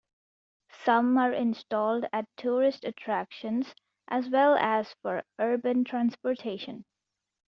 Some are installed at tourist attractions as well as for urban transportation.